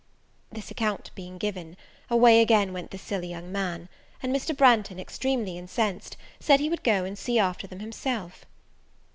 This account being given, away again went this silly young man; and Mr. Branghton, extremely incensed, said he would go and see after them himself.